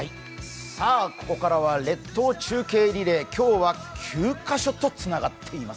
ここからは列島中継リレー、今日は９カ所とつながっています。